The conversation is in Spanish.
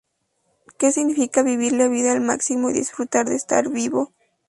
Que significa vivir la vida al máximo y disfrutar de estar vivo.